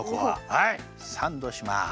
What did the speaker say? はいサンドします。